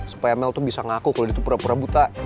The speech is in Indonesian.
supaya mel tuh bisa ngaku kalau dia tuh pura pura buta